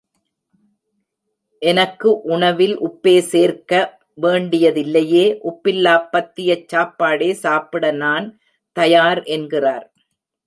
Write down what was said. எனக்கு உணவில் உப்பே சேர்க்க வேண்டியதில்லையே, உப்பில்லாப் பத்தியச் சாப்பாடே சாப்பிட நான் தயார் என்கிறார்.